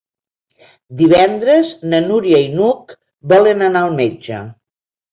Divendres na Núria i n'Hug volen anar al metge.